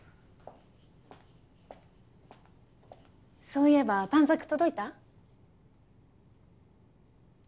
そういえば短冊届いた？